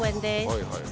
はいはい。